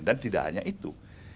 dan tidak hanya itu